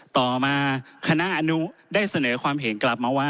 ต่อมาคณะอนุได้เสนอความเห็นกลับมาว่า